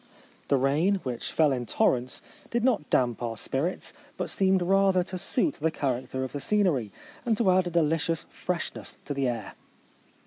The rain, which fell in torrents, did not damp our spirits, but seemed rather to suit the character of the scenery, and to add a delicious freshness to the air.